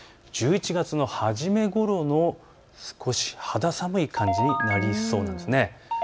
１１月の初めごろの少し肌寒い空気になりそうなんです。